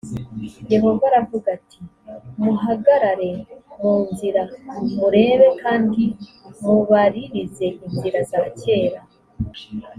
yehova aravuga ati muhagarare mu nzira murebe kandi mubaririze inzira za kera